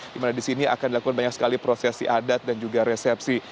dimana disini akan dilakukan banyak sekali prosesi adat dan juga resepsi